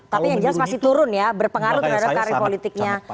tapi yang jelas masih turun ya berpengaruh terhadap karir politiknya